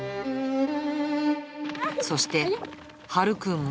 そして、はるくんも。